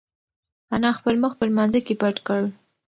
انا خپل مخ په لمانځه کې پټ کړ.